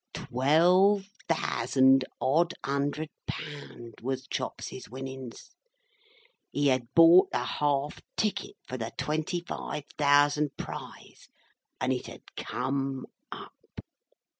Twelve thousand odd hundred pound, was Chops's winnins. He had bought a half ticket for the twenty five thousand prize, and it had come up.